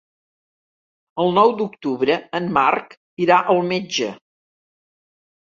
El nou d'octubre en Marc irà al metge.